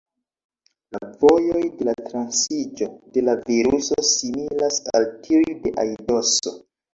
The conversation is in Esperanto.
La vojoj de la transiĝo de la viruso similas al tiuj de aidoso.